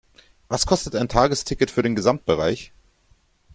Was kostet ein Tagesticket für den Gesamtbereich?